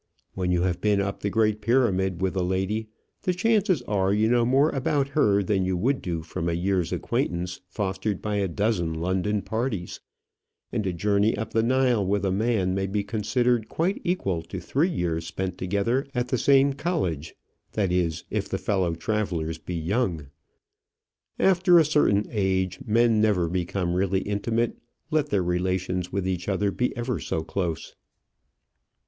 When you have been up the Great Pyramid with a lady, the chances are you know more about her than you would do from a year's acquaintance fostered by a dozen London parties; and a journey up the Nile with a man may be considered quite equal to three years spent together at the same college, that is, if the fellow travellers be young. After a certain age, men never become really intimate, let their relations with each other be ever so close.